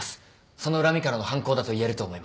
その恨みからの犯行だと言えると思います。